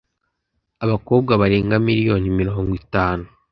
abakobwa barenga miliyoni mirongo itanu